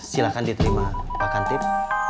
silahkan diterima pak kam tip